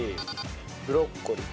ブロッコリー。